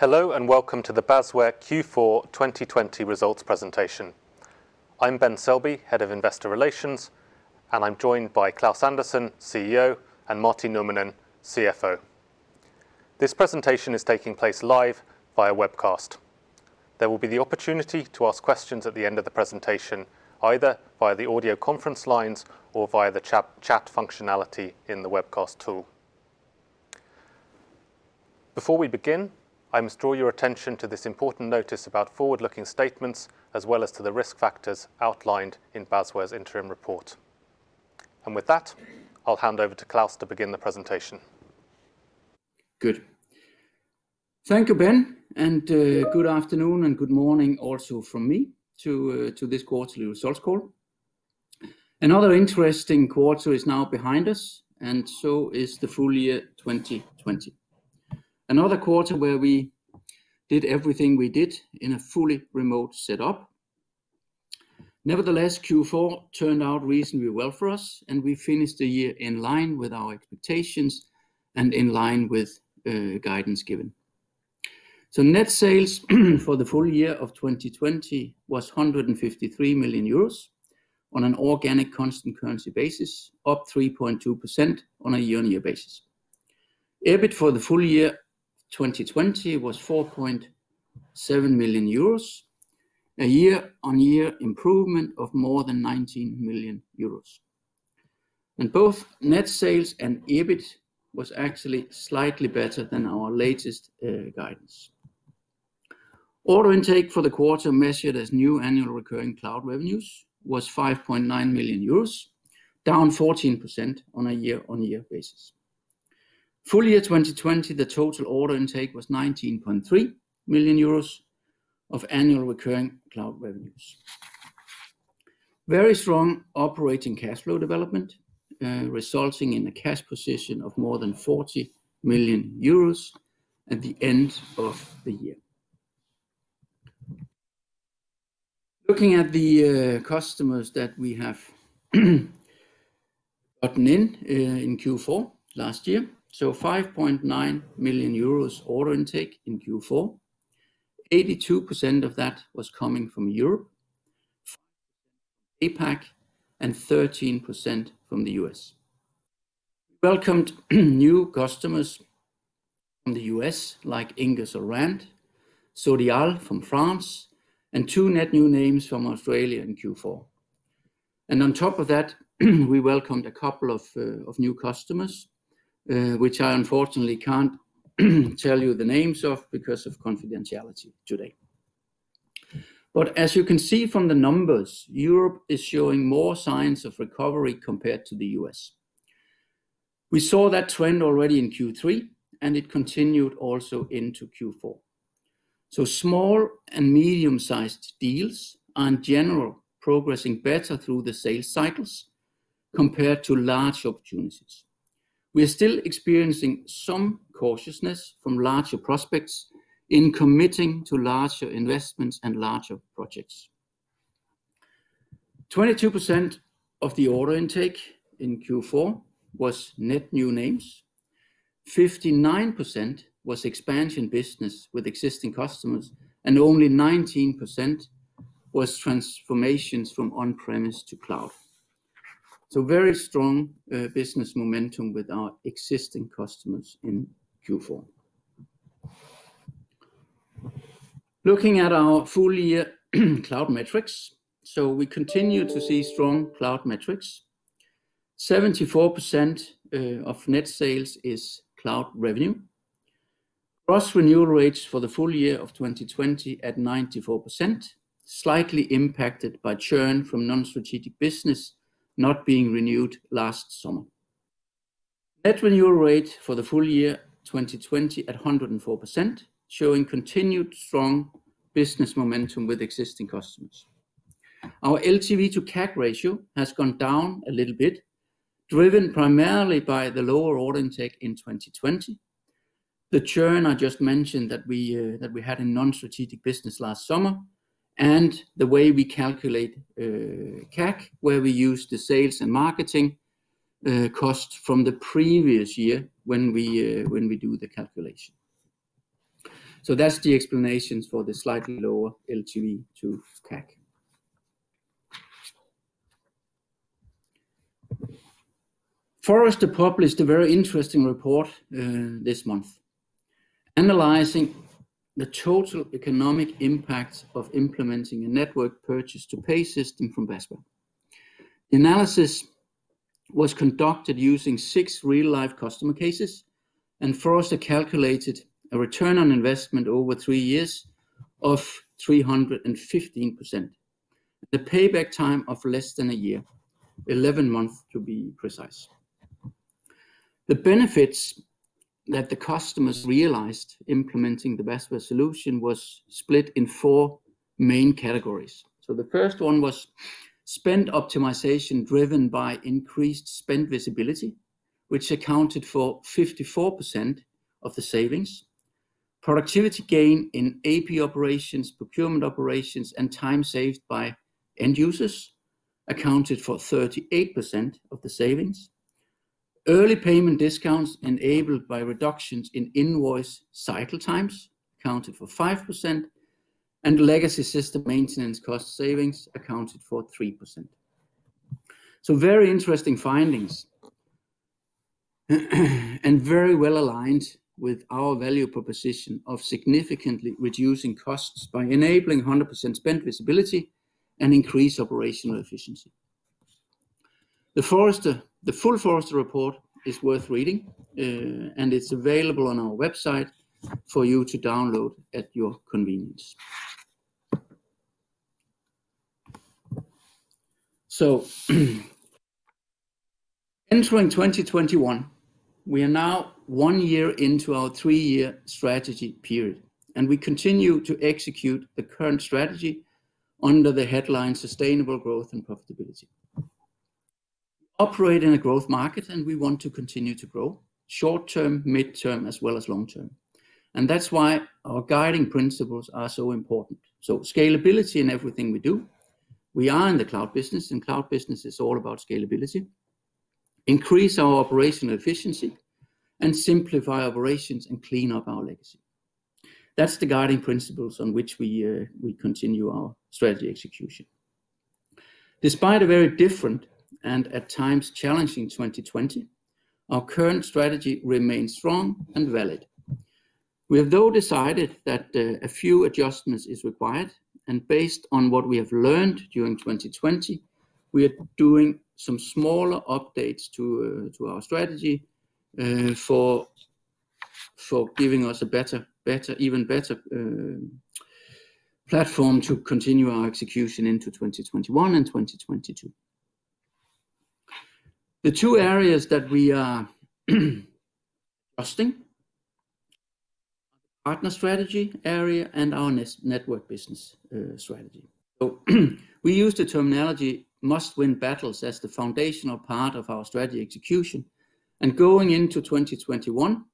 Hello, and welcome to the Basware Q4 2020 results presentation. I'm Ben Selby, Head of Investor Relations, and I'm joined by Klaus Andersen, CEO, and Martti Nurminen, CFO. This presentation is taking place live via webcast. There will be the opportunity to ask questions at the end of the presentation, either via the audio conference lines or via the chat functionality in the webcast tool. Before we begin, I must draw your attention to this important notice about forward-looking statements, as well as to the risk factors outlined in Basware's interim report. With that, I'll hand over to Klaus to begin the presentation. Thank you, Ben, good afternoon and good morning also from me to this quarterly results call. Another interesting quarter is now behind us, so is the full-year 2020. Another quarter where we did everything we did in a fully remote setup. Nevertheless, Q4 turned out reasonably well for us, we finished the year in line with our expectations and in line with guidance given. Net sales for the full-year of 2020 was 153 million euros on an organic constant currency basis, up 3.2% on a year-on-year basis. EBIT for the full-year 2020 was 4.7 million euros, a year-on-year improvement of more than 19 million euros. Both net sales and EBIT was actually slightly better than our latest guidance. Order intake for the quarter, measured as new annual recurring cloud revenues, was 5.9 million euros, down 14% on a year-on-year basis. Full-year 2020, the total order intake was 19.3 million euros of annual recurring cloud revenues. Very strong operating cash flow development, resulting in a cash position of more than 40 million euros at the end of the year. Looking at the customers that we have gotten in in Q4 last year, 5.9 million euros order intake in Q4, 82% of that was coming from Europe, 15% from APAC, and 13% from the U.S. We welcomed new customers from the U.S., like Ingersoll Rand, Sodexo from France, and two net new names from Australia in Q4. On top of that, we welcomed a couple of new customers, which I unfortunately can't tell you the names of because of confidentiality today. As you can see from the numbers, Europe is showing more signs of recovery compared to the U.S. We saw that trend already in Q3, and it continued also into Q4. Small and medium-sized deals are in general progressing better through the sales cycles compared to large opportunities. We are still experiencing some cautiousness from larger prospects in committing to larger investments and larger projects. 22% of the order intake in Q4 was net new names, 59% was expansion business with existing customers, and only 19% was transformations from on-premise to cloud. Very strong business momentum with our existing customers in Q4. Looking at our full-year cloud metrics, we continue to see strong cloud metrics. 74% of net sales is cloud revenue. Gross renewal rates for the full year of 2020 at 94%, slightly impacted by churn from non-strategic business not being renewed last summer. Net renewal rate for the full year 2020 at 104%, showing continued strong business momentum with existing customers. Our LTV to CAC ratio has gone down a little bit, driven primarily by the lower order intake in 2020, the churn I just mentioned that we had in non-strategic business last summer, and the way we calculate CAC, where we use the sales and marketing costs from the previous year when we do the calculation. That's the explanations for the slightly lower LTV to CAC. Forrester published a very interesting report this month analyzing the total economic impacts of implementing a network purchase-to-pay system from Basware. The analysis was conducted using six real-life customer cases, and Forrester calculated a return on investment over three years of 315%. The payback time of less than a year, 11 months to be precise. The benefits that the customers realized implementing the Basware solution was split in four main categories. The first one was spend optimization driven by increased spend visibility, which accounted for 54% of the savings. Productivity gain in AP operations, procurement operations, and time saved by end users accounted for 38% of the savings. Early payment discounts enabled by reductions in invoice cycle times accounted for 5%, and legacy system maintenance cost savings accounted for 3%. Very interesting findings, and very well-aligned with our value proposition of significantly reducing costs by enabling 100% spend visibility and increase operational efficiency. The full Forrester report is worth reading, and it's available on our website for you to download at your convenience. Entering 2021, we are now one year into our three-year strategy period, and we continue to execute the current strategy under the headline Sustainable Growth and Profitability. We operate in a growth market. We want to continue to grow short-term, mid-term, as well as long-term. That's why our guiding principles are so important. Scalability in everything we do. We are in the cloud business. Cloud business is all about scalability. Increase our operational efficiency and simplify operations and clean up our legacy. That's the guiding principles on which we continue our strategy execution. Despite a very different and at times challenging 2020, our current strategy remains strong and valid. We have, though, decided that a few adjustments is required. Based on what we have learned during 2020, we are doing some smaller updates to our strategy for giving us an even better platform to continue our execution into 2021 and 2022. The two areas that we are, partner strategy area and our network business strategy. We use the terminology Must Win Battles as the foundational part of our strategy execution, and going into 2021,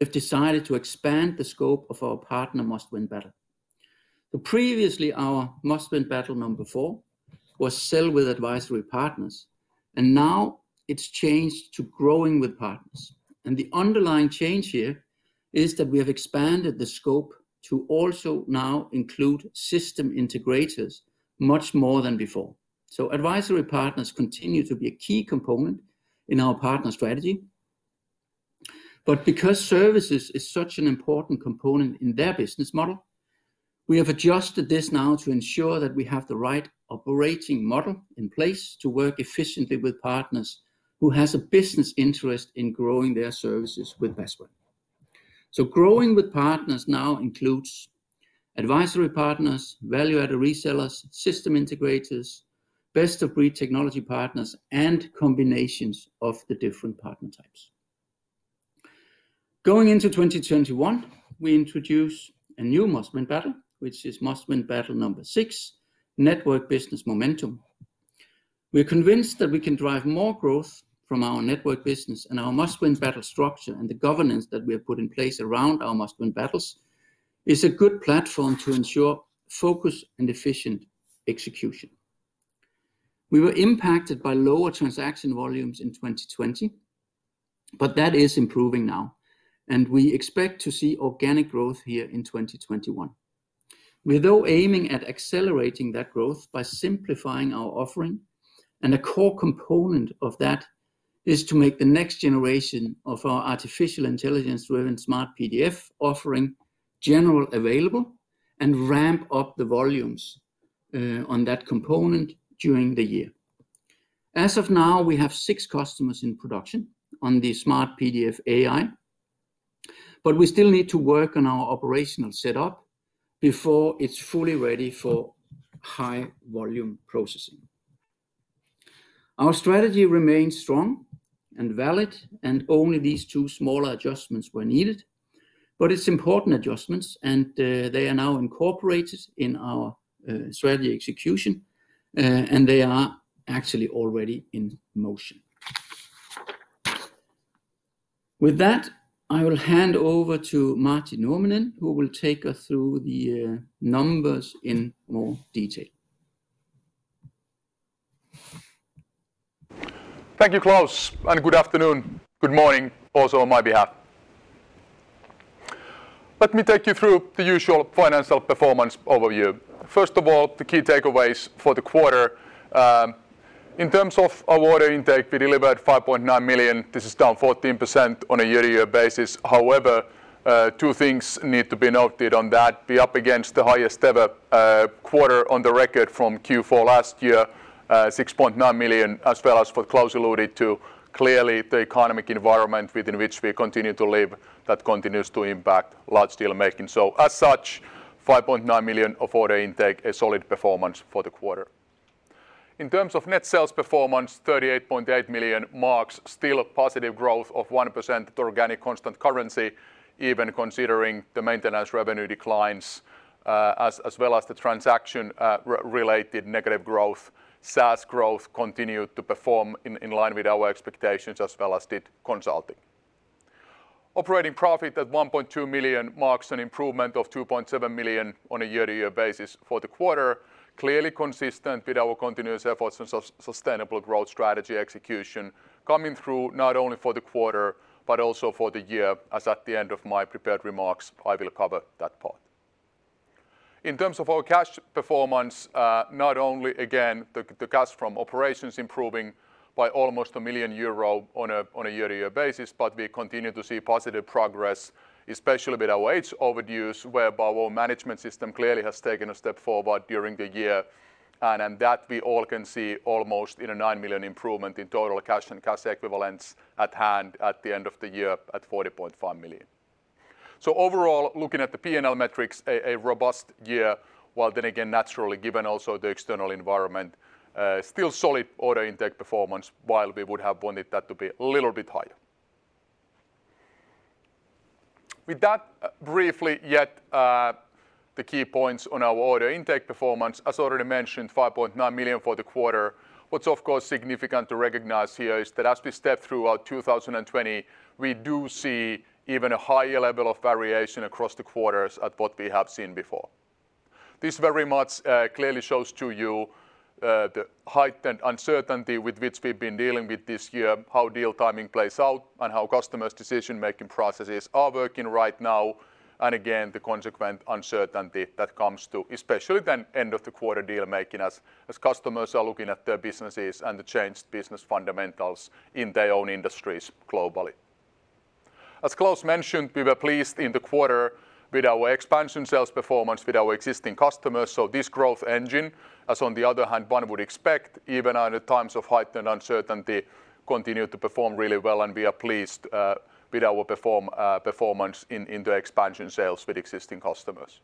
we've decided to expand the scope of our Partner Must Win Battle. Previously, our Must Win Battle number four was sell with advisory partners, and now it's changed to growing with partners. The underlying change here is that we have expanded the scope to also now include system integrators much more than before. Advisory partners continue to be a key component in our partner strategy, but because services is such an important component in their business model, we have adjusted this now to ensure that we have the right operating model in place to work efficiently with partners who has a business interest in growing their services with Basware. Growing with partners now includes advisory partners, value-added resellers, system integrators, best-of-breed technology partners, and combinations of the different partner types. Going into 2021, we introduce a new Must Win Battle, which is Must Win Battle number six, network business momentum. We're convinced that we can drive more growth from our network business, and our Must Win Battle structure and the governance that we have put in place around our Must Win Battles is a good platform to ensure focus and efficient execution. We were impacted by lower transaction volumes in 2020, but that is improving now, and we expect to see organic growth here in 2021. We're, though, aiming at accelerating that growth by simplifying our offering, and a core component of that is to make the next generation of our artificial intelligence-driven SmartPDF offering generally available and ramp up the volumes on that component during the year. As of now, we have six customers in production on the SmartPDF AI, but we still need to work on our operational setup before it's fully ready for high volume processing. Our strategy remains strong and valid, and only these two smaller adjustments were needed, but it's important adjustments, and they are now incorporated in our strategy execution, and they are actually already in motion. With that, I will hand over to Martti Nurminen, who will take us through the numbers in more detail. Thank you, Klaus. Good afternoon, good morning also on my behalf. Let me take you through the usual financial performance overview. First of all, the key takeaways for the quarter. In terms of our order intake, we delivered 5.9 million. This is down 14% on a year-to-year basis. However, two things need to be noted on that. We're up against the highest ever quarter on the record from Q4 last year, 6.9 million, as well as what Klaus alluded to, clearly the economic environment within which we continue to live that continues to impact large deal-making. As such, 5.9 million of order intake, a solid performance for the quarter. In terms of net sales performance, 38.8 million marks still a positive growth of 1% at organic constant currency, even considering the maintenance revenue declines, as well as the transaction-related negative growth. SaaS growth continued to perform in line with our expectations, as well as did consulting. Operating profit at 1.2 million marks an improvement of 2.7 million on a year-over-year basis for the quarter. Clearly consistent with our continuous efforts and sustainable growth strategy execution coming through not only for the quarter, but also for the year, as at the end of my prepared remarks, I will cover that part. In terms of our cash performance, not only again, the cash from operations improving by almost 1 million euro on a year-over-year basis, but we continue to see positive progress, especially with our aged overdues, whereby our management system clearly has taken a step forward during the year, and that we all can see almost in a 9 million improvement in total cash and cash equivalents at hand at the end of the year at 40.5 million. Overall, looking at the P&L metrics, a robust year, while then again naturally given also the external environment, still solid order intake performance, while we would have wanted that to be a little bit higher. With that, briefly yet the key points on our order intake performance, as already mentioned, 5.9 million for the quarter. What's of course significant to recognize here is that as we step throughout 2020, we do see even a higher level of variation across the quarters at what we have seen before. This very much clearly shows to you the heightened uncertainty with which we've been dealing with this year, how deal timing plays out, and how customers' decision-making processes are working right now. Again, the consequent uncertainty that comes to, especially the end-of-the-quarter deal-making as customers are looking at their businesses and the changed business fundamentals in their own industries globally. As Klaus mentioned, we were pleased in the quarter with our expansion sales performance with our existing customers. This growth engine, as on the other hand, one would expect, even at times of heightened uncertainty, continued to perform really well, and we are pleased with our performance in the expansion sales with existing customers.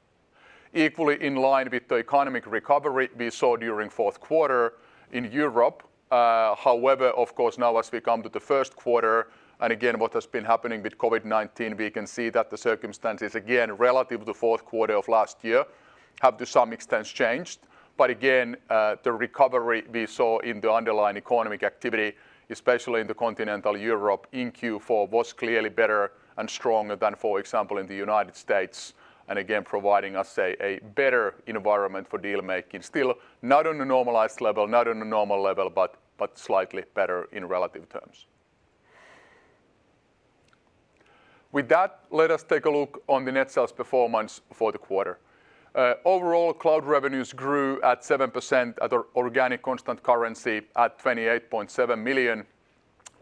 Equally in line with the economic recovery we saw during fourth quarter in Europe. Of course, now as we come to the first quarter, and again, what has been happening with COVID-19, we can see that the circumstances again, relative to fourth quarter of last year, have to some extent changed. Again, the recovery we saw in the underlying economic activity, especially in the continental Europe in Q4, was clearly better and stronger than, for example, in the United States, again, providing us a better environment for deal-making. Still, not on a normalized level, not on a normal level, but slightly better in relative terms. With that, let us take a look on the net sales performance for the quarter. Overall, cloud revenues grew at 7% at our organic constant currency at 28.7 million.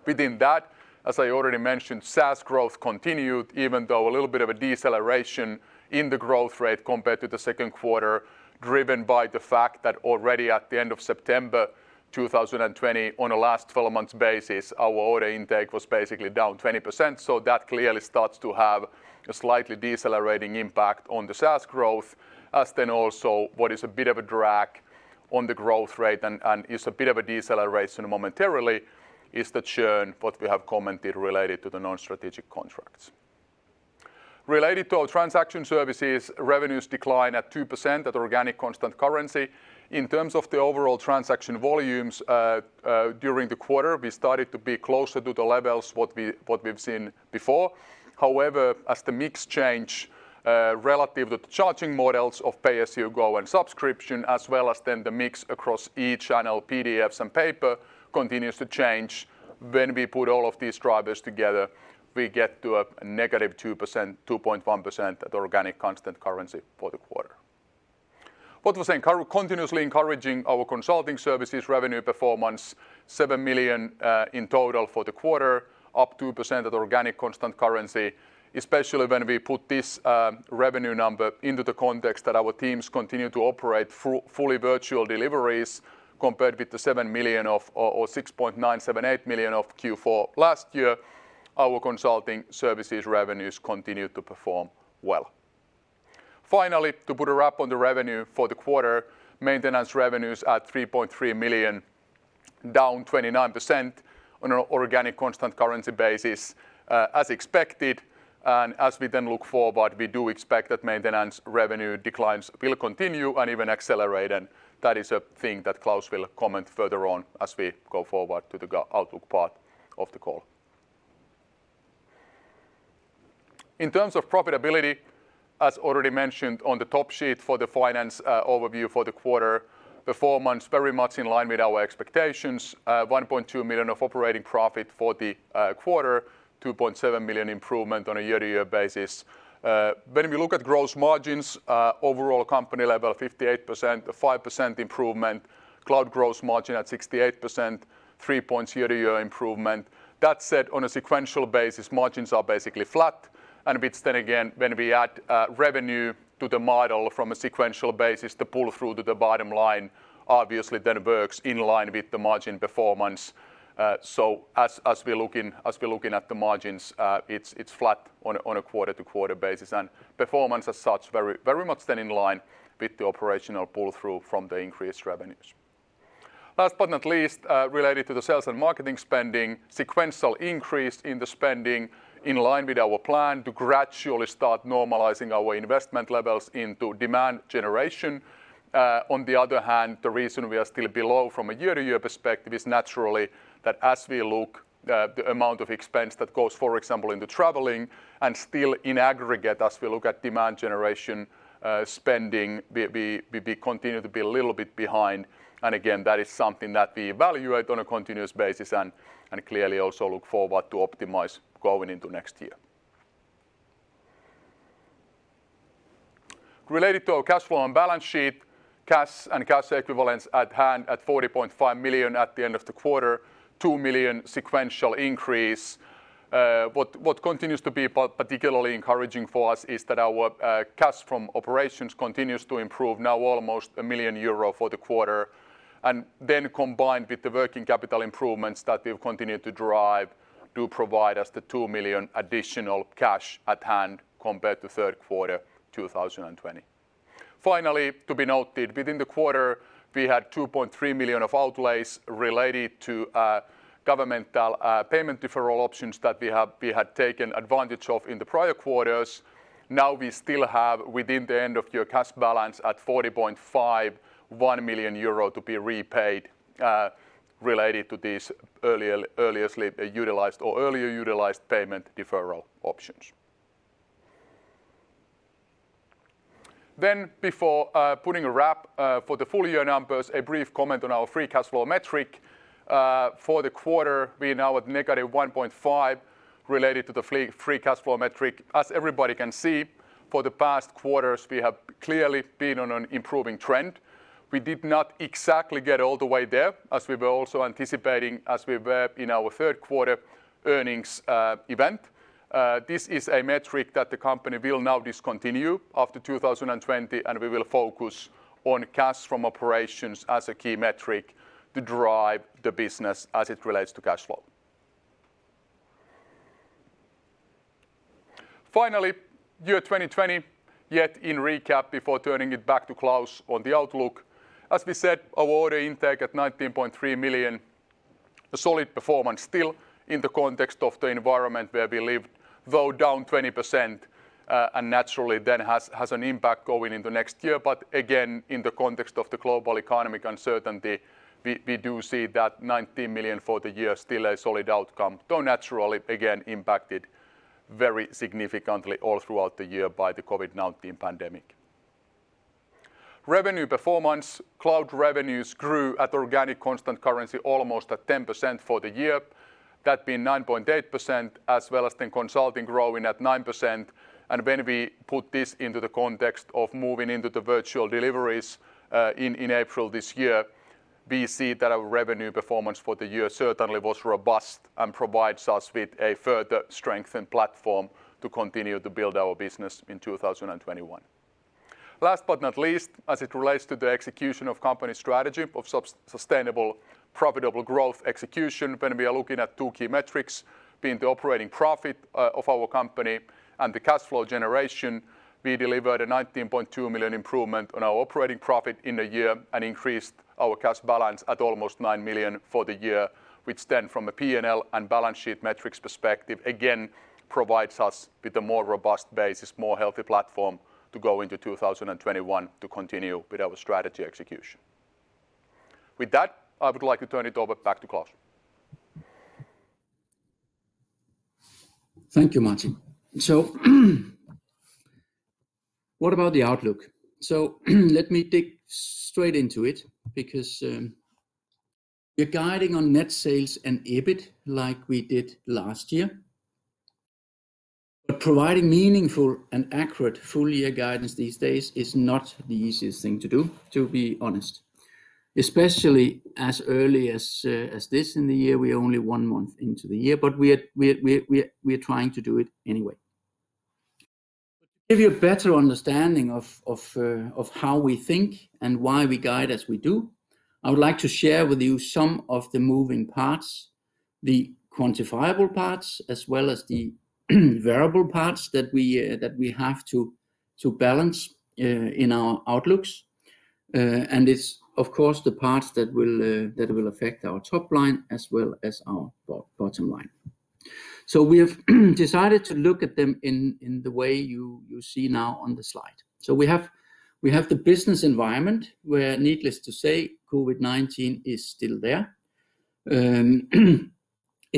Within that, as I already mentioned, SaaS growth continued, even though a little bit of a deceleration in the growth rate compared to the second quarter, driven by the fact that already at the end of September 2020, on a last 12 months basis, our order intake was basically down 20%. That clearly starts to have a slightly decelerating impact on the SaaS growth. As then also, what is a bit of a drag on the growth rate and is a bit of a deceleration momentarily is the churn, what we have commented related to the non-strategic contracts. Related to our transaction services, revenues decline at 2% at organic constant currency. In terms of the overall transaction volumes, during the quarter, we started to be closer to the levels what we've seen before. However, as the mix change relative to the charging models of pay-as-you-go and subscription, as well as then the mix across each SmartPDFs and paper continues to change, when we put all of these drivers together, we get to a -2%, 2.1% at organic constant currency for the quarter. What I was saying, continuously encouraging our consulting services revenue performance, 7 million in total for the quarter, up 2% at organic constant currency, especially when we put this revenue number into the context that our teams continue to operate fully virtual deliveries compared with the 7 million or 6.978 million of Q4 last year. Our consulting services revenues continued to perform well. Finally, to put a wrap on the revenue for the quarter, maintenance revenues at 3.3 million, down 29% on an organic constant currency basis as expected. As we then look forward, we do expect that maintenance revenue declines will continue and even accelerate, and that is a thing that Klaus will comment further on as we go forward to the outlook part of the call. In terms of profitability, as already mentioned on the top sheet for the finance overview for the quarter, the four months very much in line with our expectations, 1.2 million of operating profit for the quarter, 2.7 million improvement on a year-to-year basis. When we look at gross margins, overall company level, 58%, a 5% improvement. Cloud gross margin at 68%, three points year-to-year improvement. That said, on a sequential basis, margins are basically flat. If it's then again, when we add revenue to the model from a sequential basis, the pull-through to the bottom line, obviously then works in line with the margin performance. As we're looking at the margins, it's flat on a quarter-to-quarter basis, and performance as such very much then in line with the operational pull-through from the increased revenues. Last but not least, related to the sales and marketing spending, sequential increase in the spending in line with our plan to gradually start normalizing our investment levels into demand generation. On the other hand, the reason we are still below from a year-to-year perspective is naturally that as we look at the amount of expense that goes, for example, into traveling and still in aggregate as we look at demand generation spending, we continue to be a little bit behind. That is something that we evaluate on a continuous basis and clearly also look forward to optimize going into next year. Related to our cash flow and balance sheet, cash and cash equivalents at hand at 40.5 million at the end of the quarter, 2 million sequential increase. What continues to be particularly encouraging for us is that our cash from operations continues to improve, now almost 1 million euro for the quarter. Combined with the working capital improvements that we've continued to drive do provide us the 2 million additional cash at hand compared to third quarter 2020. Finally, to be noted, within the quarter, we had 2.3 million of outlays related to governmental payment deferral options that we had taken advantage of in the prior quarters. Now we still have, within the end of year cash balance at 40.5, 1 million euro to be repaid, related to these earlier utilized payment deferral options. Before putting a wrap for the full-year numbers, a brief comment on our free cash flow metric. For the quarter, we are now at -1.5 related to the free cash flow metric. As everybody can see, for the past quarters, we have clearly been on an improving trend. We did not exactly get all the way there, as we were also anticipating as we were in our third quarter earnings event. This is a metric that the company will now discontinue after 2020, and we will focus on cash from operations as a key metric to drive the business as it relates to cash flow. Year 2020, yet in recap before turning it back to Klaus on the outlook. As we said, our order intake at 19.3 million, a solid performance still in the context of the environment where we lived, though down 20%, and naturally then has an impact going into next year. Again, in the context of the global economic uncertainty, we do see that 19 million for the year still a solid outcome, though naturally, again, impacted very significantly all throughout the year by the COVID-19 pandemic. Revenue performance. Cloud revenues grew at organic constant currency almost at 10% for the year. That being 9.8%, as well as then consulting growing at 9%. When we put this into the context of moving into the virtual deliveries, in April this year, we see that our revenue performance for the year certainly was robust and provides us with a further strengthened platform to continue to build our business in 2021. Last but not least, as it relates to the execution of company strategy of sustainable, profitable growth execution, when we are looking at two key metrics being the operating profit of our company and the cash flow generation, we delivered a 19.2 million improvement on our operating profit in the year and increased our cash balance at almost 9 million for the year, which then from a P&L and balance sheet metrics perspective, again, provides us with a more robust basis, more healthy platform to go into 2021 to continue with our strategy execution. With that, I would like to turn it over back to Klaus. Thank you, Martti. What about the outlook? Let me dig straight into it because we're guiding on net sales and EBIT like we did last year. Providing meaningful and accurate full-year guidance these days is not the easiest thing to do, to be honest, especially as early as this in the year. We are only one month into the year, but we are trying to do it anyway. To give you a better understanding of how we think and why we guide as we do, I would like to share with you some of the moving parts, the quantifiable parts, as well as the variable parts that we have to balance in our outlooks. It's, of course, the parts that will affect our top line as well as our bottom line. We have decided to look at them in the way you see now on the slide. We have the business environment where needless to say, COVID-19 is still there.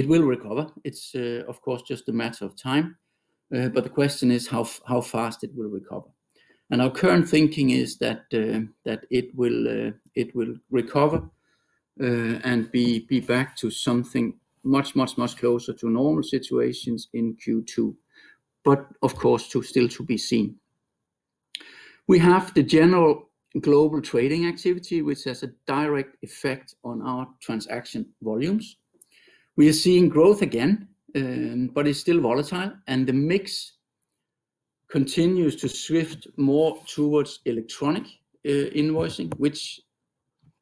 It will recover. It's, of course, just a matter of time. The question is how fast it will recover. Our current thinking is that it will recover, and be back to something much closer to normal situations in Q2. Of course, still to be seen. We have the general global trading activity, which has a direct effect on our transaction volumes. We are seeing growth again, but it's still volatile, and the mix continues to shift more towards e-invoicing, which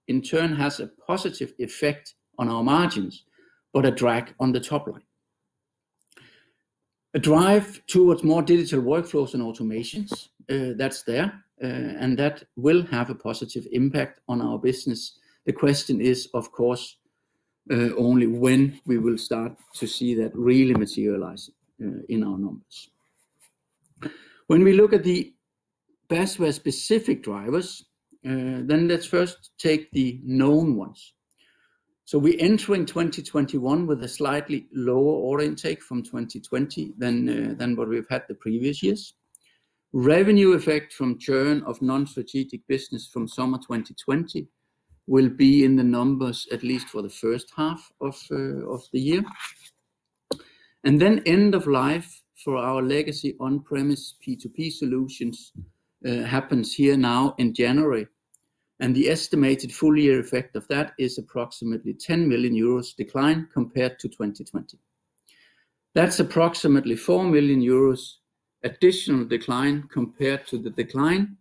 in turn has a positive effect on our margins, but a drag on the top line. A drive towards more digital workflows and automations, that's there, and that will have a positive impact on our business. The question is, of course, only when we will start to see that really materialize in our numbers. When we look at the Basware-specific drivers, let's first take the known ones. We enter in 2021 with a slightly lower order intake from 2020 than what we've had the previous years. Revenue effect from churn of non-strategic business from summer 2020 will be in the numbers at least for the first half of the year. End of life for our legacy on-premise P2P solutions happens here now in January, and the estimated full-year effect of that is approximately 10 million euros decline compared to 2020. That's approximately 4 million euros additional decline compared to the decline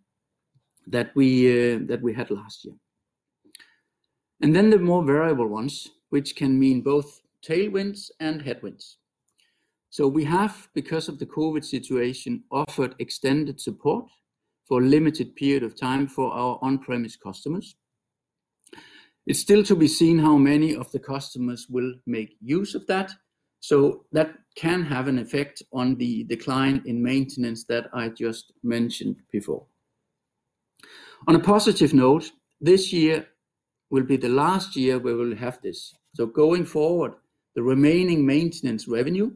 that we had last year. The more variable ones, which can mean both tailwinds and headwinds. We have, because of the COVID-19 situation, offered extended support for a limited period of time for our on-premise customers. It's still to be seen how many of the customers will make use of that, so that can have an effect on the decline in maintenance that I just mentioned before. On a positive note, this year will be the last year we will have this. Going forward, the remaining maintenance revenue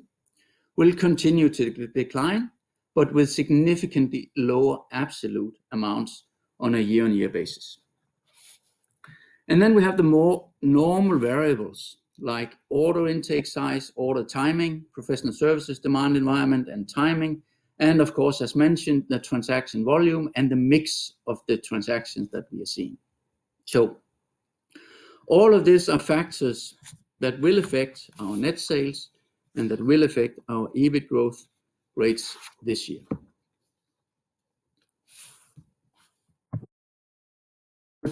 will continue to decline, but with significantly lower absolute amounts on a year-on-year basis. Then we have the more normal variables, like order intake size, order timing, professional services demand environment and timing, and of course, as mentioned, the transaction volume and the mix of the transactions that we are seeing. All of these are factors that will affect our net sales and that will affect our EBIT growth rates this year.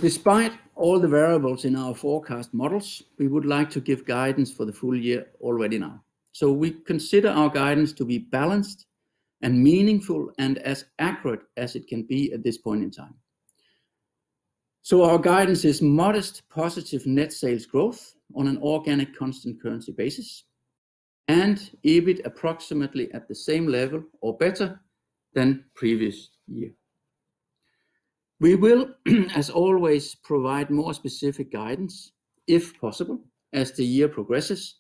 Despite all the variables in our forecast models, we would like to give guidance for the full-year already now. We consider our guidance to be balanced and meaningful and as accurate as it can be at this point in time. Our guidance is modest positive net sales growth on an organic constant currency basis and EBIT approximately at the same level or better than previous year. We will, as always, provide more specific guidance if possible as the year progresses,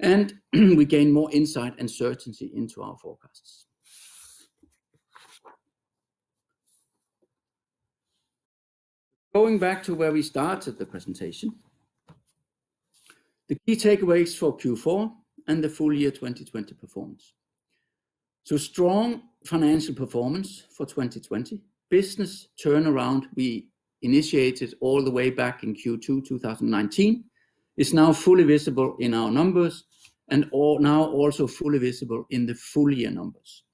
and we gain more insight and certainty into our forecasts. Going back to where we started the presentation, the key takeaways for Q4 and the full-year 2020 performance. Strong financial performance for 2020. Business turnaround we initiated all the way back in Q2 2019 is now fully visible in our numbers and now also fully visible in the full-year numbers.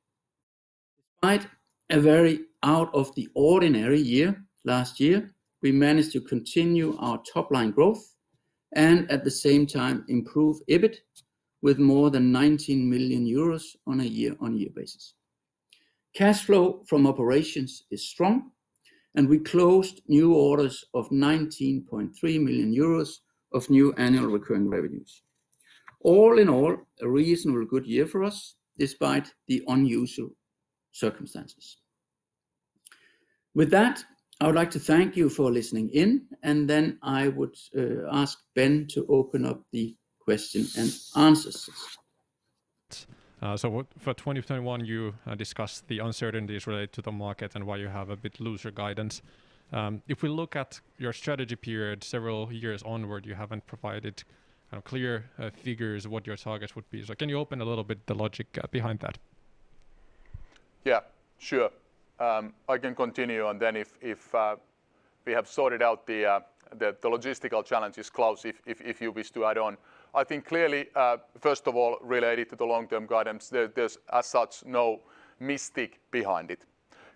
Despite a very out of the ordinary year last year, we managed to continue our top-line growth and at the same time improve EBIT with more than 19 million euros on a year-over-year basis. We closed new orders of 19.3 million euros of new annual recurring revenues. All in all, a reasonably good year for us despite the unusual circumstances. With that, I would like to thank you for listening in, and then I would ask Ben to open up the questions-and-answers. For 2021, you discussed the uncertainties related to the market and why you have a bit looser guidance. If we look at your strategy period several years onward, you haven't provided clear figures what your targets would be. Can you open a little bit the logic behind that? Yeah, sure. I can continue, and then if we have sorted out the logistical challenges, Klaus, if you wish to add on. I think clearly, first of all, related to the long-term guidance, there's as such no mystique behind it.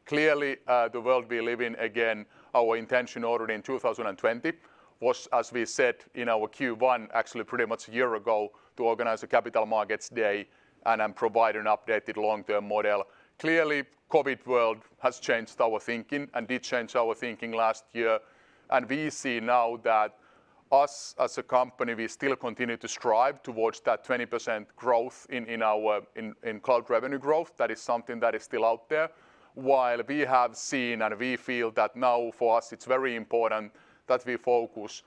Clearly, the world we live in, again, our intention already in 2020 was, as we said in our Q1, actually pretty much a year ago, to organize a Capital Markets Day and provide an updated long-term model. Clearly, COVID world has changed our thinking and did change our thinking last year, and we see now that us as a company, we still continue to strive towards that 20% growth in cloud revenue growth. That is something that is still out there. While we have seen and we feel that now for us it's very important that we focus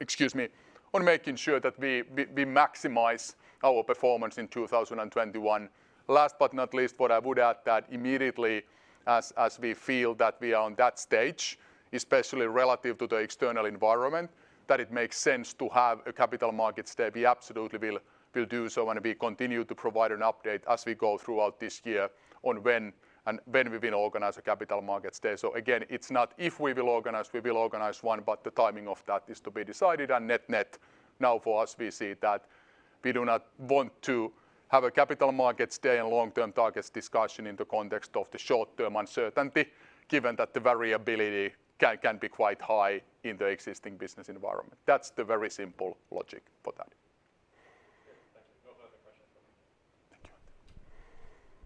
excuse me, on making sure that we maximize our performance in 2021. Last but not least, what I would add that immediately as we feel that we are on that stage, especially relative to the external environment, that it makes sense to have a Capital Markets Day. We absolutely will do so when we continue to provide an update as we go throughout this year on when we will organize a Capital Markets Day. Again, it's not if we will organize, we will organize one, but the timing of that is to be decided. Net net, now for us, we see that we do not want to have a Capital Markets Day and long-term targets discussion in the context of the short-term uncertainty, given that the variability can be quite high in the existing business environment. That's the very simple logic for that.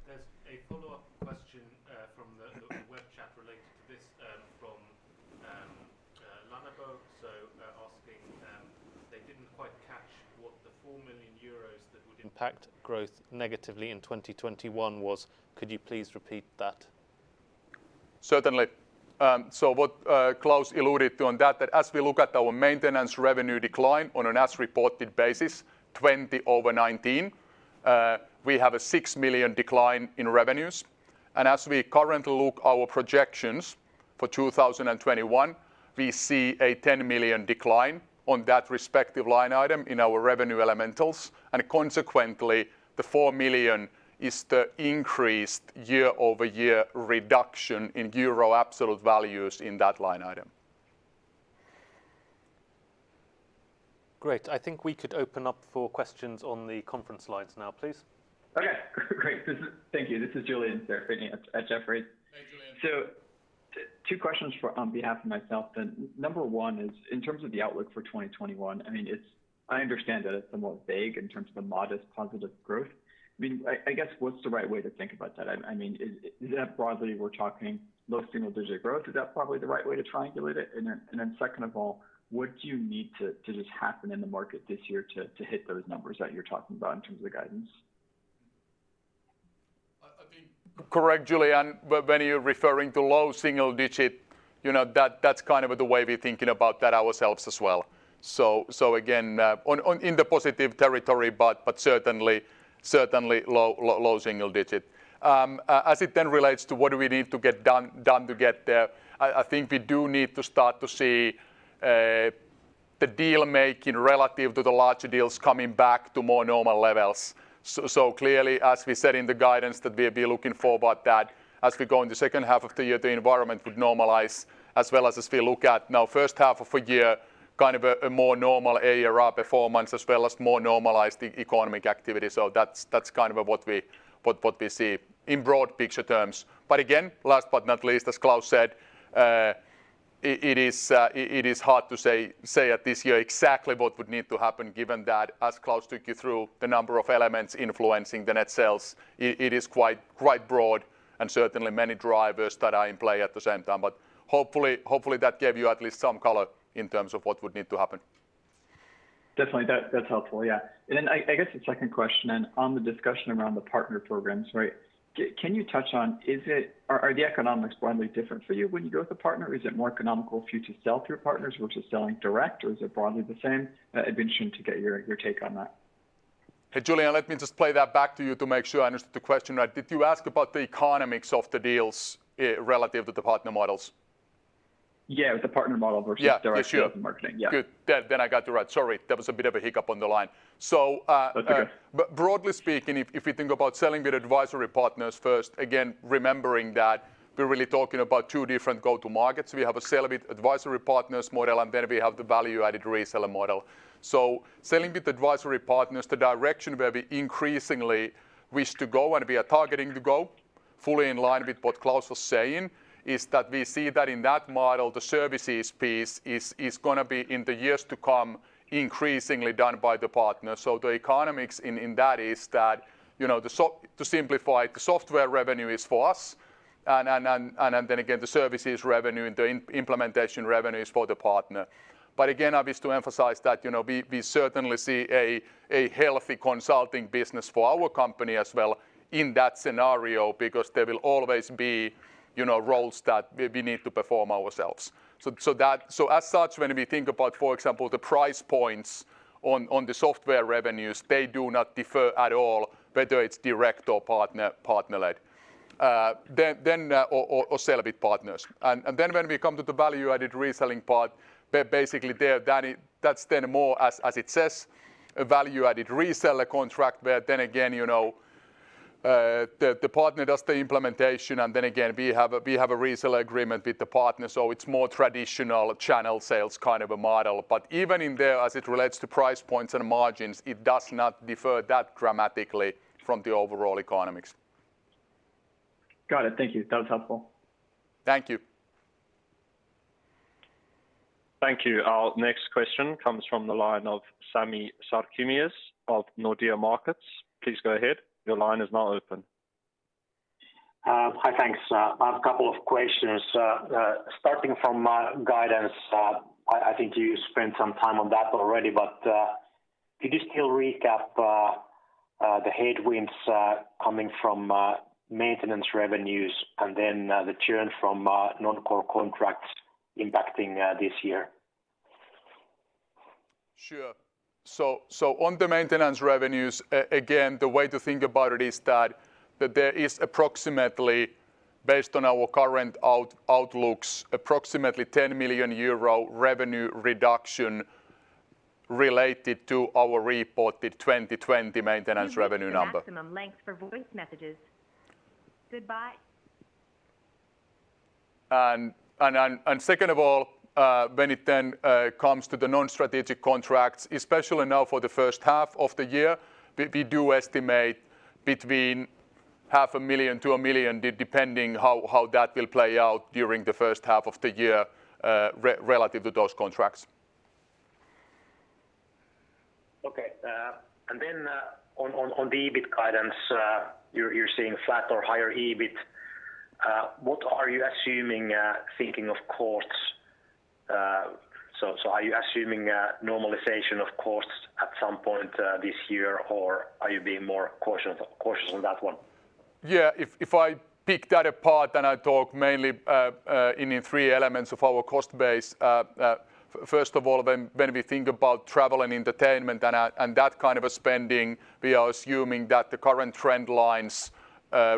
There's a follow-up question from the web chat related to this from Lannebo. Asking, they didn't quite catch what the 4 million euros that would impact growth negatively in 2021 was. Could you please repeat that? Certainly. What Klaus alluded to on that as we look at our maintenance revenue decline on an as-reported basis, 20 over 19, we have a 6 million decline in revenues. As we currently look our projections for 2021, we see a 10 million decline on that respective line item in our revenue elementals. Consequently, the 4 million is the increased year-over-year reduction in EUR absolute values in that line item. Great. I think we could open up for questions on the conference lines now, please. Okay, great. Thank you. This is Julian Serafini at Jefferies. Hi, Julian. Two questions on behalf of myself then. Number one is in terms of the outlook for 2021, I understand that it's somewhat vague in terms of the modest positive growth. I guess what's the right way to think about that? I mean, is that broadly we're talking low single-digit growth? Is that probably the right way to triangulate it? Second of all, what do you need to just happen in the market this year to hit those numbers that you're talking about in terms of the guidance? I think, correct, Julian, when you're referring to low single digit, that's kind of the way we're thinking about that ourselves as well. Again, in the positive territory, but certainly low single digit. As it then relates to what do we need to get done to get there, I think we do need to start to see the deal-making relative to the larger deals coming back to more normal levels. Clearly, as we said in the guidance that we'll be looking forward that as we go in the second half of the year, the environment would normalize as well as we look at now first half of a year, kind of a more normal ARR performance as well as more normalized economic activity. That's kind of what we see in broad picture terms. Again, last but not least, as Klaus said, it is hard to say at this year exactly what would need to happen given that as Klaus took you through the number of elements influencing the net sales, it is quite broad and certainly many drivers that are in play at the same time. Hopefully, that gave you at least some color in terms of what would need to happen. Definitely. That's helpful, yeah. Then I guess the second question then, on the discussion around the partner programs, right? Can you touch on, are the economics broadly different for you when you go with a partner? Is it more economical for you to sell through partners versus selling direct, or is it broadly the same? I'd be interested to get your take on that. Hey, Julian, let me just play that back to you to make sure I understood the question right. Did you ask about the economics of the deals relative to the partner models? The partner model. Yeah. For sure direct sales and marketing. Yeah. Good. I got it right. Sorry, there was a bit of a hiccup on the line. That's okay. Broadly speaking, if we think about selling with advisory partners first, again, remembering that we're really talking about two different go-to markets. We have a sell with advisory partners model, and then we have the value-added reseller model. Selling with advisory partners, the direction where we increasingly wish to go and we are targeting to go, fully in line with what Klaus was saying, is that we see that in that model, the services piece is going to be, in the years to come, increasingly done by the partner. The economics in that is that, to simplify it, the software revenue is for us, and then again, the services revenue and the implementation revenue is for the partner. Again, I wish to emphasize that we certainly see a healthy consulting business for our company as well in that scenario because there will always be roles that we need to perform ourselves. As such, when we think about, for example, the price points on the software revenues, they do not differ at all whether it's direct or partner-led, or sell with partners. Then when we come to the value-added reselling part, basically that's then more, as it says, a value-added reseller contract where then again, the partner does the implementation and then again, we have a reseller agreement with the partner so it's more traditional channel sales kind of a model. Even in there as it relates to price points and margins, it does not differ that dramatically from the overall economics. Got it. Thank you. That was helpful. Thank you. Thank you. Our next question comes from the line of Sami Sarkamies of Nordea Markets. Please go ahead. Your line is now open. Hi, thanks. I have a couple of questions. Starting from guidance, I think you spent some time on that already, but could you still recap the headwinds coming from maintenance revenues and then the churn from non-core contracts impacting this year? Sure. On the maintenance revenues, again, the way to think about it is that there is approximately, based on our current outlooks, approximately 10 million euro revenue reduction related to our reported 2020 maintenance revenue number. You've reached the maximum length for voice messages. Goodbye. Second of all, when it then comes to the non-strategic contracts, especially now for the first half of the year, we do estimate between EUR $500,000-EUR 1 million, depending how that will play out during the first half of the year relative to those contracts. Okay. On the EBIT guidance, you're seeing flat or higher EBIT. What are you assuming, thinking of costs? Are you assuming normalization of costs at some point this year, or are you being more cautious on that one? If I pick that apart, I talk mainly in the three elements of our cost base. First of all, when we think about travel and entertainment and that kind of spending, we are assuming that the current trend lines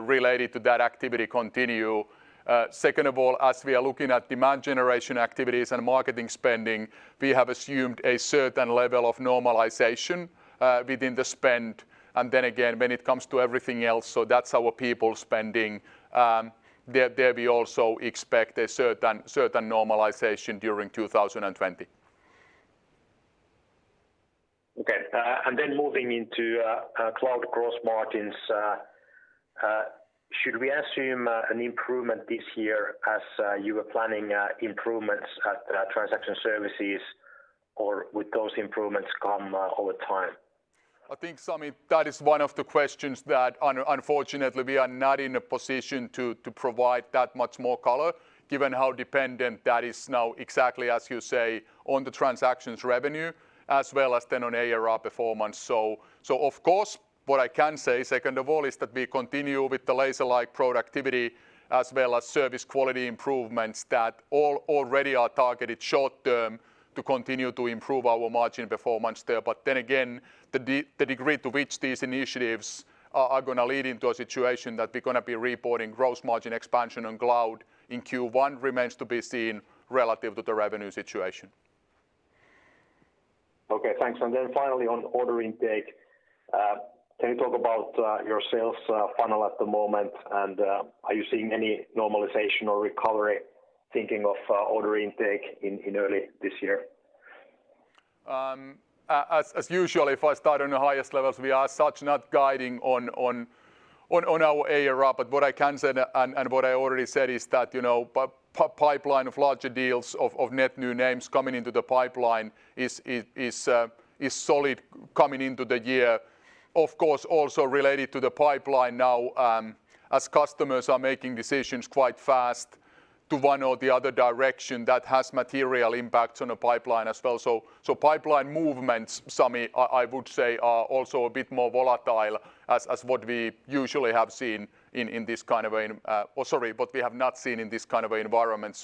related to that activity continue. Second of all, as we are looking at demand generation activities and marketing spending, we have assumed a certain level of normalization within the spend. Again, when it comes to everything else, so that's our people spending, there we also expect a certain normalization during 2020. Okay. Moving into cloud gross margins, should we assume an improvement this year as you were planning improvements at transaction services or would those improvements come over time? I think, Sami, that is one of the questions that unfortunately we are not in a position to provide that much more color given how dependent that is now, exactly as you say, on the transactions revenue as well as then on ARR performance. Of course, what I can say, second of all, is that we continue with the laser-like productivity as well as service quality improvements that all already are targeted short-term to continue to improve our margin performance there. Again, the degree to which these initiatives are going to lead into a situation that we're going to be reporting gross margin expansion on cloud in Q1 remains to be seen relative to the revenue situation. Okay, thanks. Finally on order intake, can you talk about your sales funnel at the moment and are you seeing any normalization or recovery thinking of order intake in early this year? As usual if I start on the highest levels we are as such not guiding on our ARR, but what I can say and what I already said is that pipeline of larger deals of net new names coming into the pipeline is solid coming into the year. Also related to the pipeline now as customers are making decisions quite fast to one or the other direction that has material impact on the pipeline as well. Pipeline movements, Sami, I would say are also a bit more volatile as what we usually have seen in this kind of, or sorry, what we have not seen in this kind of environment.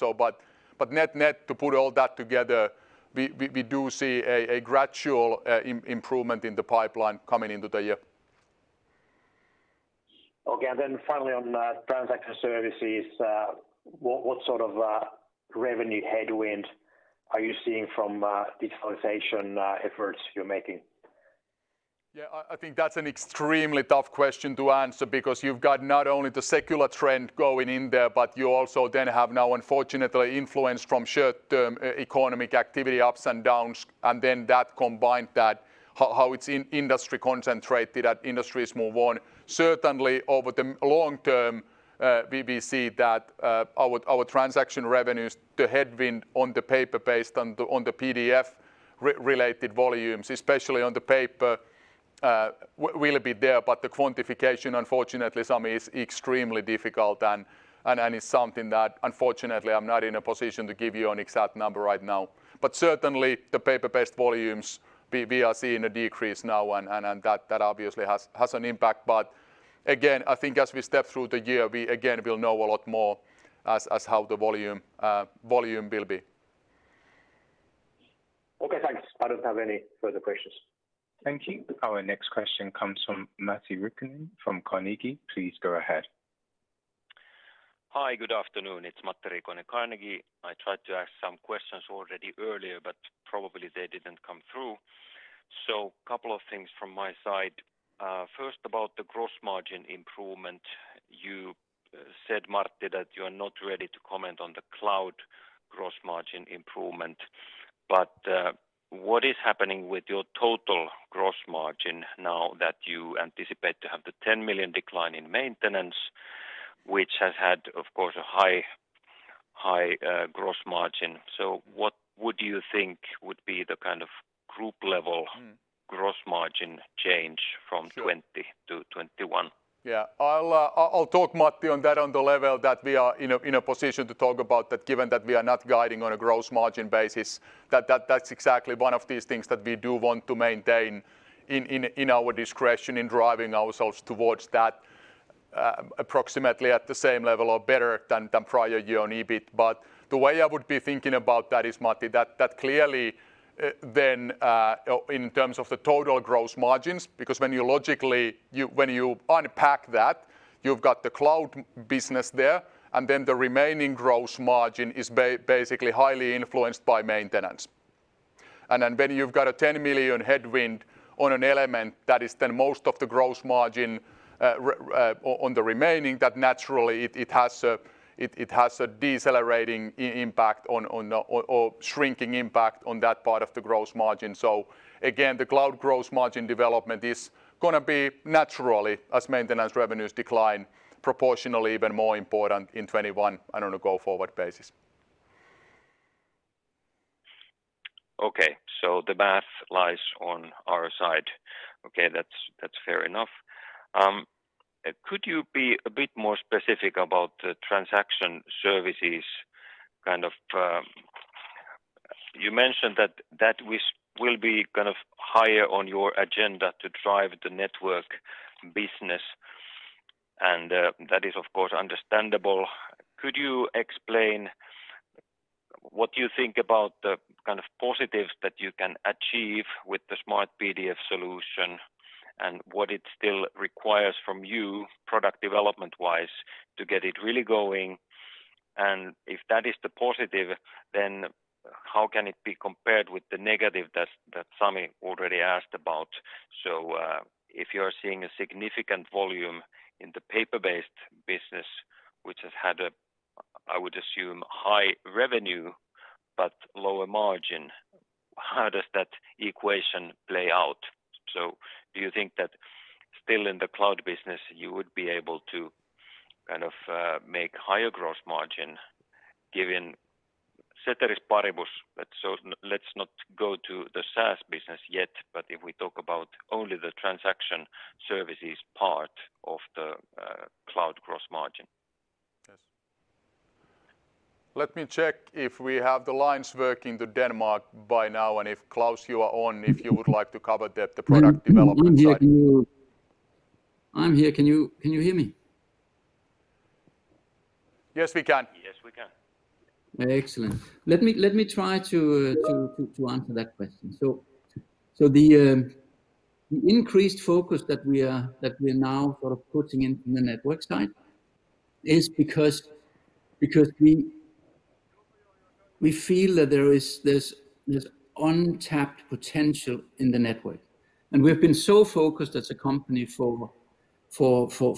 Net net to put all that together, we do see a gradual improvement in the pipeline coming into the year. Okay, finally on transaction services, what sort of revenue headwind are you seeing from digitalization efforts you're making? Yeah, I think that's an extremely tough question to answer because you've got not only the secular trend going in there, but you also then have now unfortunately influence from short-term economic activity ups and downs, and then that combined that how it's industry concentrated at industries move on. Certainly over the long term, we will see that our transaction revenues, the headwind on the paper-based and on the PDF-related volumes, especially on the paper, will be there. The quantification, unfortunately, Sami, is extremely difficult and is something that unfortunately I'm not in a position to give you an exact number right now. Certainly, the paper-based volumes we are seeing a decrease now and that obviously has an impact. Again, I think as we step through the year, we again will know a lot more as how the volume will be. Okay, thanks. I don't have any further questions. Thank you. Our next question comes from Matti Riikonen from Carnegie. Please go ahead. Hi, good afternoon. It's Matti Riikonen, Carnegie. I tried to ask some questions already earlier, but probably they didn't come through. Couple of things from my side. First about the gross margin improvement. You said, Martti, that you're not ready to comment on the cloud gross margin improvement, but what is happening with your total gross margin now that you anticipate to have the 10 million decline in maintenance, which has had, of course, a high gross margin. What would you think would be the kind of group level gross margin change from 2020 to 2021? Yeah. I'll talk, Matti, on that on the level that we are in a position to talk about that given that we are not guiding on a gross margin basis, that that's exactly one of these things that we do want to maintain in our discretion in driving ourselves towards that approximately at the same level or better than prior year on EBIT. The way I would be thinking about that is, Matti, that clearly in terms of the total gross margins, because when you logically unpack that, you've got the cloud business there and then the remaining gross margin is basically highly influenced by maintenance. When you've got a 10 million headwind on an element that is then most of the gross margin on the remaining, that naturally it has a decelerating impact or shrinking impact on that part of the gross margin. Again, the cloud gross margin development is going to be naturally as maintenance revenues decline proportionally even more important in 2021 on a go-forward basis. The math lies on our side. That's fair enough. Could you be a bit more specific about the transaction services? You mentioned that will be higher on your agenda to drive the network business, and that is, of course, understandable. Could you explain what you think about the positives that you can achieve with the SmartPDF solution and what it still requires from you product development-wise to get it really going? If that is the positive, then how can it be compared with the negative that Sami already asked about? If you are seeing a significant volume in the paper-based business, which has had, I would assume, high revenue but lower margin, how does that equation play out? Do you think that still in the cloud business, you would be able to make higher gross margin given? Let's not go to the SaaS business yet but if we talk about only the transaction services part of cloud gross margin. Let me check if we have the lines working to Denmark by now, and if, Klaus, you are on, if you would like to cover the product development side. I'm here. Can you hear me? Yes, we can. Yes, we can. Excellent. Let me try to answer that question. The increased focus that we are now putting in the network side is because we feel that there's untapped potential in the network. We've been so focused as a company for the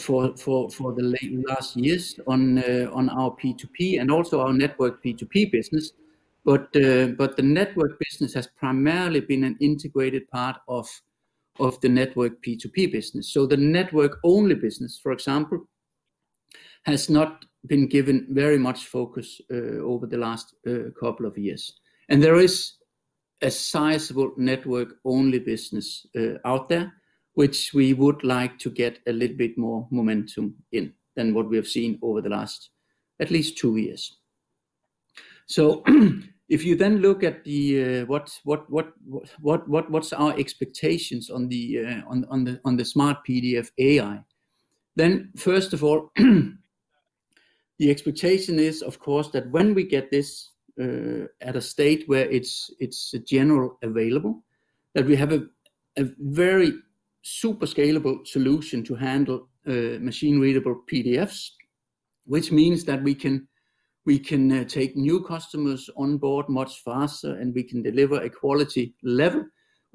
late last years on our P2P and also our network P2P business. The network business has primarily been an integrated part of the network P2P business. The network-only business, for example, has not been given very much focus over the last couple of years. There is a sizable network-only business out there, which we would like to get a little bit more momentum in than what we have seen over the last at least two years. If you then look at what's our expectations on the SmartPDF AI, then first of all, the expectation is, of course, that when we get this at a state where it's general available, that we have a very super scalable solution to handle machine-readable PDFs. Which means that we can take new customers on board much faster, and we can deliver a quality level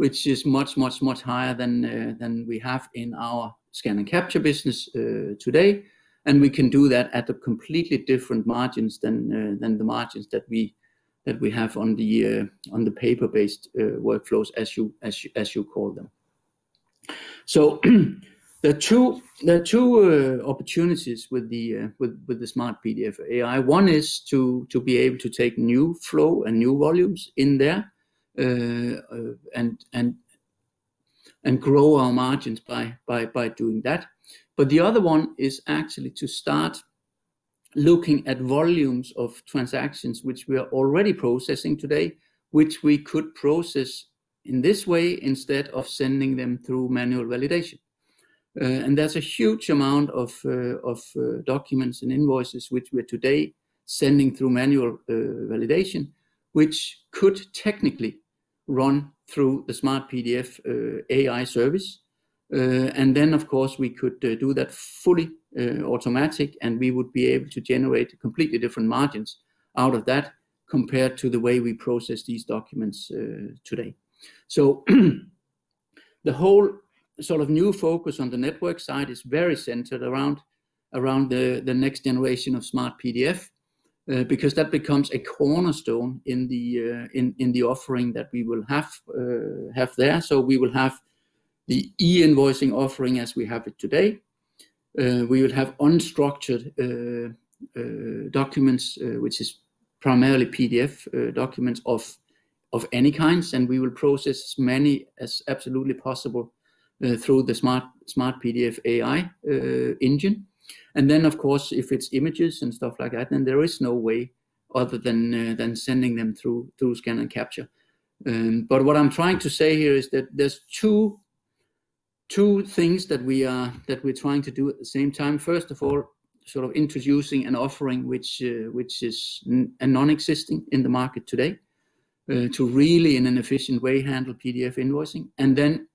which is much higher than we have in our scan and capture business today. We can do that at a completely different margins than the margins that we have on the paper-based workflows, as you call them. There are two opportunities with the SmartPDF AI. One is to be able to take new flow and new volumes in there, and grow our margins by doing that. The other one is actually to start looking at volumes of transactions which we are already processing today, which we could process in this way instead of sending them through manual validation. That's a huge amount of documents and invoices which we're today sending through manual validation, which could technically run through the SmartPDF AI service. Of course, we could do that fully automatic, and we would be able to generate completely different margins out of that compared to the way we process these documents today. The whole new focus on the network side is very centered around the next generation of SmartPDF, because that becomes a cornerstone in the offering that we will have there. We will have the e-invoicing offering as we have it today. We will have unstructured documents, which is primarily PDF documents of any kinds, and we will process as many as absolutely possible through the SmartPDF AI engine. Then, of course, if it's images and stuff like that, then there is no way other than sending them through scan and capture. What I'm trying to say here is that there's two things that we're trying to do at the same time. First of all, introducing an offering which is non-existing in the market today to really, in an efficient way, handle PDF invoicing, and then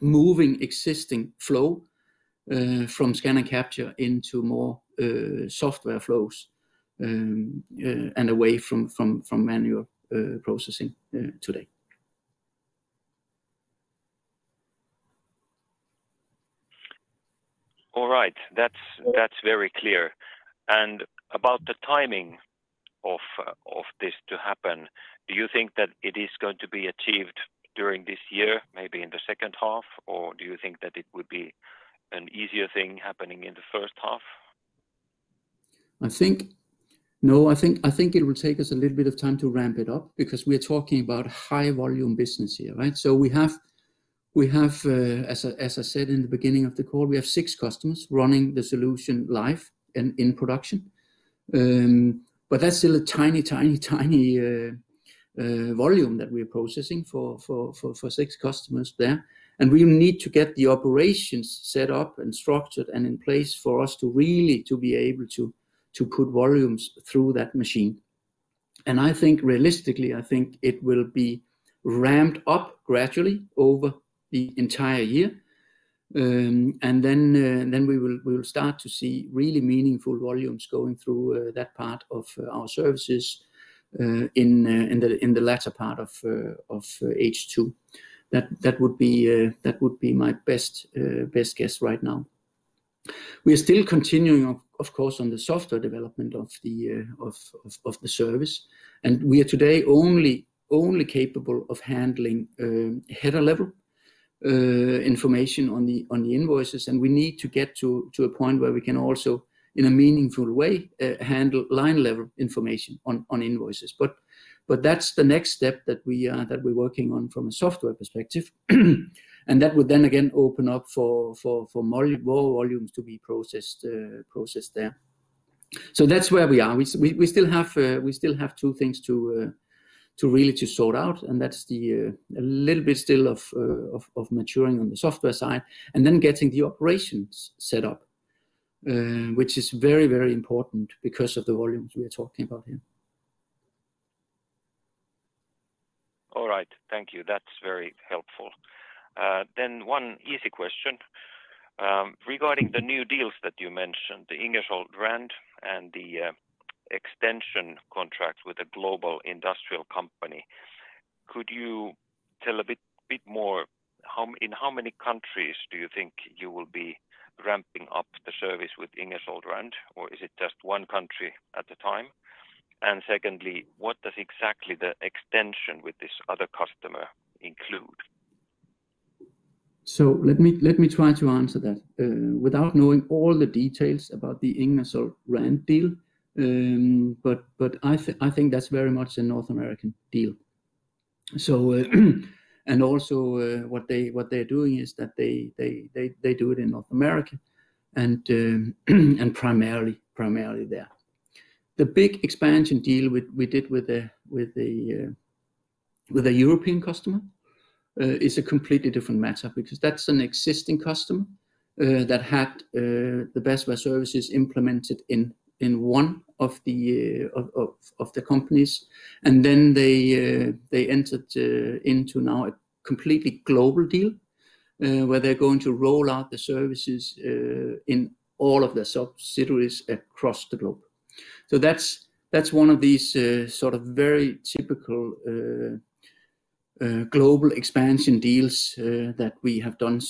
moving existing flow from scan and capture into more software flows, and away from manual processing today. All right. That's very clear. About the timing of this to happen, do you think that it is going to be achieved during this year, maybe in the second half? Or do you think that it would be an easier thing happening in the first half? I think, no. I think it will take us a little bit of time to ramp it up because we're talking about high volume business here, right? We have, as I said in the beginning of the call, we have six customers running the solution live and in production. That's still a tiny volume that we're processing for six customers there. We need to get the operations set up and structured and in place for us to really be able to put volumes through that machine. I think realistically, I think it will be ramped up gradually over the entire year. Then, we will start to see really meaningful volumes going through that part of our services in the latter part of H2. That would be my best guess right now. We are still continuing of course, on the software development of the service. We are today only capable of handling header level information on the invoices. We need to get to a point where we can also, in a meaningful way, handle line level information on invoices. That's the next step that we're working on from a software perspective. That would then again open up for more volumes to be processed there. That's where we are. We still have two things to really sort out, and that's the little bit still of maturing on the software side and then getting the operations set up, which is very important because of the volumes we are talking about here. All right. Thank you. That's very helpful. One easy question. Regarding the new deals that you mentioned, the Ingersoll Rand and the extension contracts with a global industrial company, could you tell a bit more, in how many countries do you think you will be ramping up the service with Ingersoll Rand, or is it just one country at a time? Secondly, what does exactly the extension with this other customer include? Let me try to answer that. Without knowing all the details about the Ingersoll Rand deal, but I think that's very much a North American deal. What they're doing is that they do it in North America and primarily there. The big expansion deal we did with a European customer, is a completely different matter because that's an existing customer that had the Basware services implemented in one of the companies. They entered into now a completely global deal, where they're going to roll out the services in all of their subsidiaries across the globe. That's one of these sort of very typical global expansion deals that we have done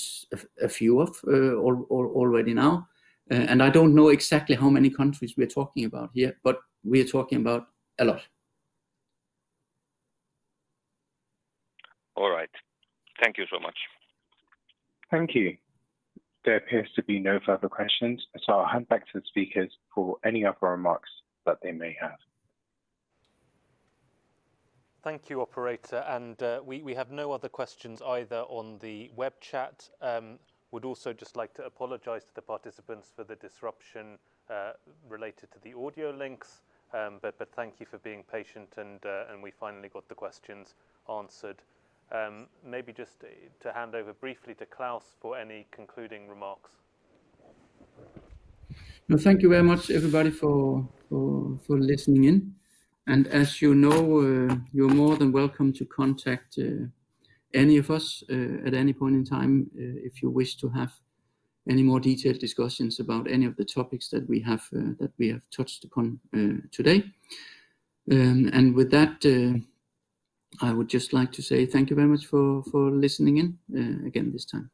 a few of already now. I don't know exactly how many countries we're talking about here, but we are talking about a lot. All right. Thank you so much. Thank you. There appears to be no further questions. I'll hand back to the speakers for any other remarks that they may have. Thank you operator. We have no other questions either on the web chat. Would also just like to apologize to the participants for the disruption related to the audio links. Thank you for being patient and we finally got the questions answered. Maybe just to hand over briefly to Klaus for any concluding remarks. Well, thank you very much everybody for listening in. As you know, you're more than welcome to contact any of us at any point in time, if you wish to have any more detailed discussions about any of the topics that we have touched upon today. With that, I would just like to say thank you very much for listening in again this time.